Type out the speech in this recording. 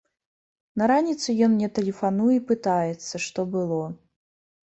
На раніцу ён мне тэлефануе і пытаецца, што было.